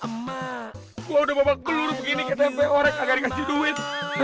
emak gua udah bawa gelur begini ke tempe orek agar dikasih duit